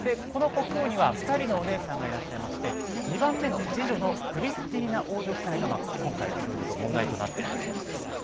この国王には２人のお姉さんがいらっしゃいまして２番目の次女のクリスティーナ王女夫妻が今回、いろいろと問題となっているわけです。